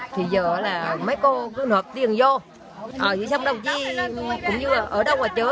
thì giờ là mấy cô cứ hợp tiền vô ở dưới sông đâu chứ cũng như là ở đâu ở chỗ